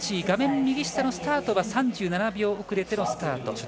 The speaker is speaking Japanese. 画面右下のスタートは３７秒遅れでのスタート。